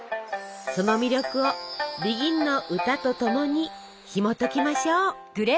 その魅力を「ＢＥＧＩＮ」の歌と共にひもときましょう。